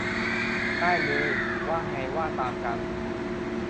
ได้เลย ว่าไงว่าตามกัน